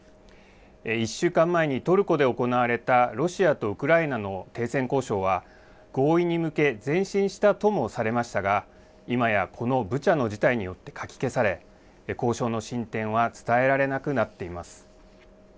１週間前にトルコで行われた、ロシアとウクライナの停戦交渉は、合意に向け前進したともされましたが、今やこのブチャの事態によってかき消され、交渉の進展は伝えられなくなっています。